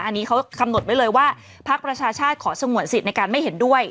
อันนี้เขากำหนดไว้เลยว่าพักประชาชาติขอสงวนสิทธิ์ในการไม่เห็นด้วย